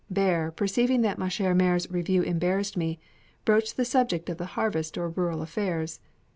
Bear, perceiving that ma chère mère's review embarrassed me, broached the subject of the harvest or rural affairs.